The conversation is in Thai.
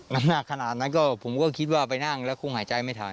มันหนักขนาดนั้นก็ผมก็คิดว่าไปนั่งแล้วคงหายใจไม่ทัน